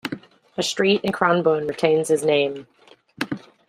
A street in Cranbourne retains his name.